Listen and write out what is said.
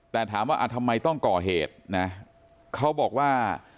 แต่ถามว่าทำไมต้องก่อเหตุนะเขาบอกว่า